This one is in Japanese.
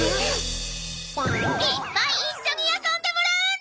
いっぱい一緒に遊んでもらうんだ！